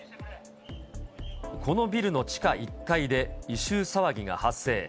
このビルの地下１階で異臭騒ぎが発生。